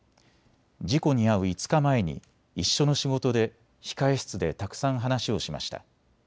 事故に遭う５日前に一緒の仕事で控え室でたくさん話をしました。